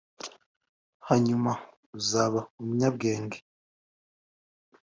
hanyuma uzaba umunyabwenge